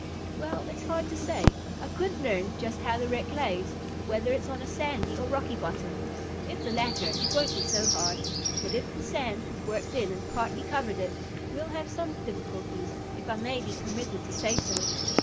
"Well, it's hard to say. I couldn't learn just how the wreck lays, whether it's on a sandy or a rocky bottom. If the latter, it won't be so hard, but if the sand has worked in and partly covered it, we'll have some difficulties, if I may be permitted to say so.